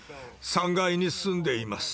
３階に住んでいます。